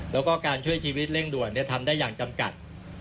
แล้วก็การช่วยชีวิตเร่งด่วนทำได้อย่างจำกัด